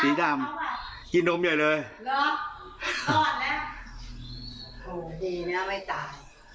สีดำกินนมใหญ่เลยเหรอทอดนะโหดีนะไม่ตาย